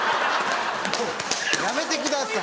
やめてください。